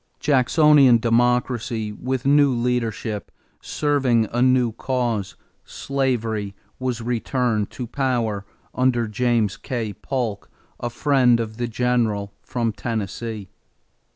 Jacksonian Democracy, with new leadership, serving a new cause slavery was returned to power under James K. Polk, a friend of the General from Tennessee.